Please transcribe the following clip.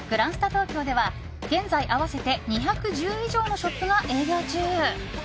東京では現在、合わせて２１０以上のショップが営業中。